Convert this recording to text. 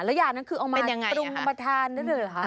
แล้วยานั้นคือเป็นอย่างไร